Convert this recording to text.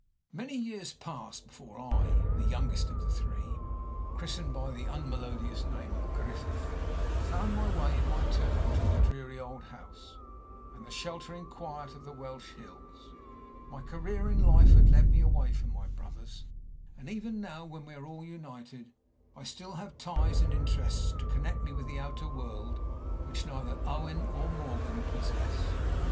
Many years passed before I, the youngest of the three christened by the unmelodious name of Griffith found my way, in my turn, to the dreary old house, and the sheltering quiet of the Welsh hills. My career in life had led me away from my brothers; and even now, when we are all united, I have still ties and interests to connect me with the outer world which neither Owen nor Morgan possess.